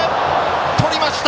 とりました！